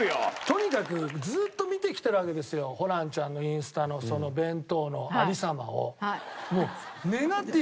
とにかくずっと見てきてるわけですよホランちゃんのインスタのその弁当の有り様を。